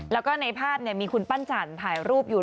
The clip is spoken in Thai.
แล้วก็ในภาพเนี่ยมีคุณปั้นจันถ่ายรูปอยู่